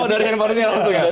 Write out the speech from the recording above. oh dari handphonenya langsung ya